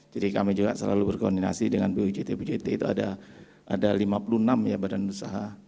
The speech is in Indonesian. jadi kami juga selalu berkoordinasi dengan pujt pujt itu ada lima puluh enam ya badan usaha